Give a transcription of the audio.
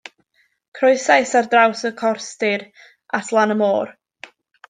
Croesais ar draws y corstir at lan y môr.